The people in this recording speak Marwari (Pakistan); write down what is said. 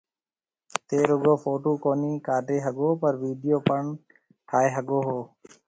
ٿيَ رُگو ڦوٽُو ڪونِي ڪاڊَي ھگو پر ويڊيو پڻ ٺائيَ ھگو ھو